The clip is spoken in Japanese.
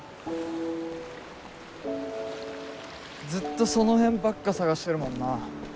ずっとその辺ばっか探してるもんな。